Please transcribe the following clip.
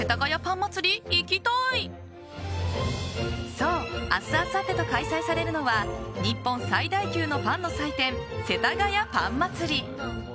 そう明日、あさってと開催されるのは日本最大級のパンの祭典世田谷パン祭り。